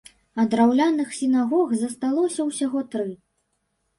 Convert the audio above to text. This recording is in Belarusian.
А драўляных сінагог засталося ўсяго тры.